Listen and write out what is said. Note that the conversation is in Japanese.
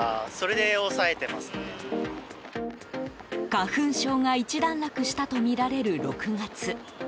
花粉症が一段落したとみられる６月。